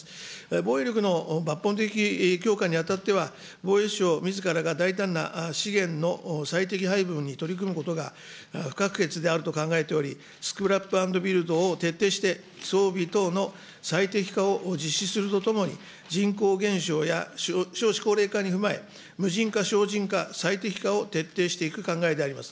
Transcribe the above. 防衛力の抜本的強化にあたっては、防衛省みずからが大胆な資源の最適配分に取り組むことが不可欠であると考えており、スクラップアンドビルドを徹底して、装備等の最適化を実施するとともに、人口減少や少子高齢化に踏まえ、無人化、省人化、最適化を徹底していく考えであります。